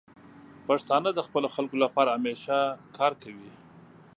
پښتانه د خپلو خلکو لپاره همیشه کار کوي.